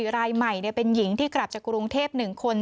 รายใหม่เป็นหญิงที่กลับจากกรุงเทพ๑คน